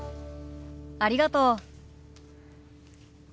ありがとう。